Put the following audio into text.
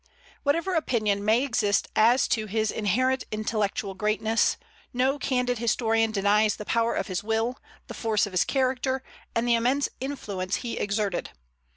Whatever opinion may exist as to his inherent intellectual greatness, no candid historian denies the power of his will, the force of his character, and the immense influence he exerted.